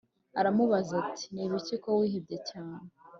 aramubaza ati"nibiki ko wihebye cyane?"